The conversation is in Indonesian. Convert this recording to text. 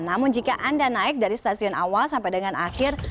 namun jika anda naik dari stasiun awal sampai dengan akhir